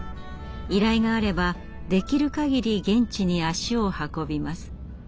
依頼があればできるかぎり現地に足を運びます。